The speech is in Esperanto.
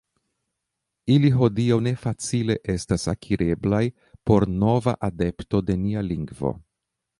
Ili hodiaŭ ne facile estas akireblaj por nova adepto de nia lingvo.